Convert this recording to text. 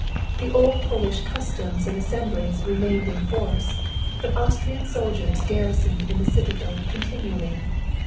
The old Polish customs and assemblies remained in force, but Austrian soldiers garrisoned the citadel continually.